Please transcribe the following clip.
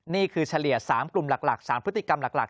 เฉลี่ย๓กลุ่มหลัก๓พฤติกรรมหลัก